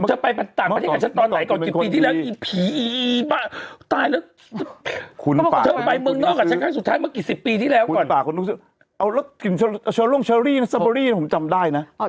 อาชารูมซับเบอรี่ชัลรูมชัลรีนะอุศบรีผมจำได้นะ